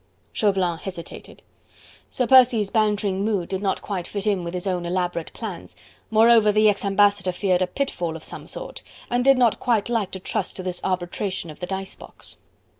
Chauvelin hesitated. Sir Percy's bantering mood did not quite fit in with his own elaborate plans, moreover the ex ambassador feared a pitfall of some sort, and did not quite like to trust to this arbitration of the dice box.